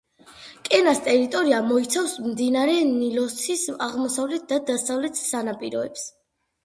კენას ტერიტორია მოიცავს მდინარე ნილოსის აღმოსავლეთ და დასავლეთ სანაპიროებს.